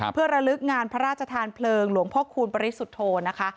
เพื่อระลึกงานพระราชทานเพลิงหลวงพ่อคูณปริสุทธโธนะคะ